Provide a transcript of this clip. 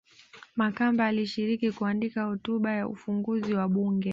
Makamba alishiriki kuandika hotuba ya ufunguzi wa bunge